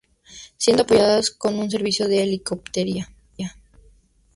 Siendo apoyadas con un servicio de helicóptero.